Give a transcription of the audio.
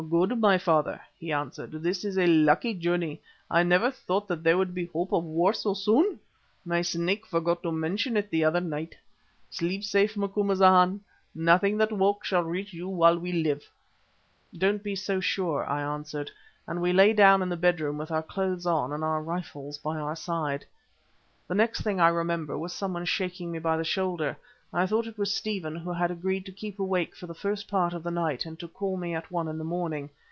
"Good, my father," he answered. "This is a lucky journey; I never thought there would be hope of war so soon. My Snake forgot to mention it the other night. Sleep safe, Macumazana. Nothing that walks shall reach you while we live." "Don't be so sure," I answered, and we lay down in the bedroom with our clothes on and our rifles by our sides. The next thing I remember was someone shaking me by the shoulder. I thought it was Stephen, who had agreed to keep awake for the first part of the night and to call me at one in the morning.